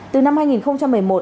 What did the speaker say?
từ năm hai nghìn một mươi một